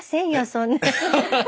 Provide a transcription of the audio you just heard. そんなの。